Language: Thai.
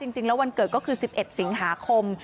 จริงแล้ววันเกิดก็คือ๑๑สิงหาคม